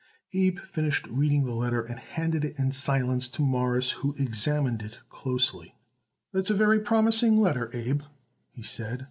Abe finished reading the letter and handed it in silence to Morris, who examined it closely. "That's a very promising letter, Abe," he said.